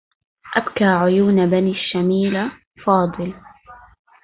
أبكى عيون بني الشميل فاضل